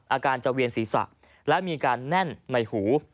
อาการจะเวียนศีรษะและมีการแน่นในหู